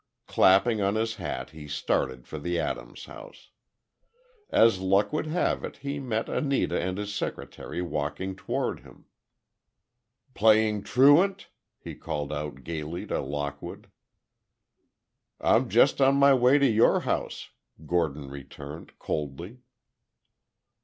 Clapping on his hat, he started for the Adams house. As luck would have it, he met Anita and his secretary walking toward him. "Playing truant?" he called out gaily to Lockwood. "I'm just on my way to your house," Gordon returned, coldly.